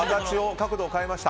角度を変えました。